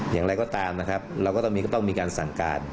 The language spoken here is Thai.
อย่างไรก็ตามนะครับเราก็ต้องมีการสั่งการ